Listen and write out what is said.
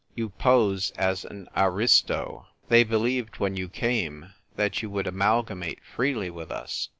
You pose as an aristo. They believed when you came that you would amalgamate freely with us.